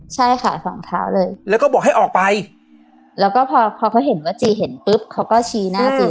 ใช่ค่ะฝั่งเท้าเลยแล้วก็บอกให้ออกไปแล้วก็พอพอเขาเห็นว่าจีเห็นปุ๊บเขาก็ชี้หน้าจี